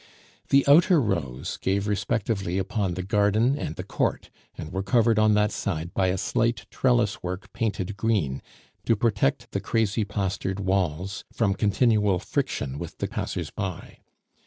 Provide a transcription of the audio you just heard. The outer rows gave respectively upon the garden and the court, and were covered on that side by a slight trellis work painted green, to protect the crazy plastered walls from continual friction with the passers by.